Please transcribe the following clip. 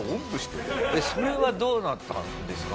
それはどうなったんですか？